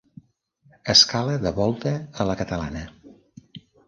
Escala de volta a la catalana.